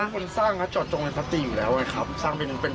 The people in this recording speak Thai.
คนสร้างก็จะตรงในพระตีอยู่แล้วนะครับ